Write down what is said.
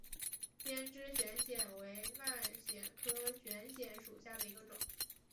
鞭枝悬藓为蔓藓科悬藓属下的一个种。